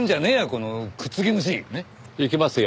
このくっつき虫！行きますよ。